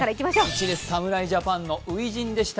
１位です、侍ジャパンの初陣でした。